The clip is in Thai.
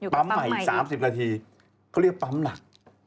ปั๊มใหม่อีก๓๐นาทีเขาเรียกปั๊มหนัก